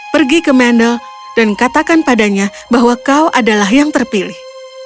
pergi ke mandel dan katakan padanya bahwa kau adalah yang terpilih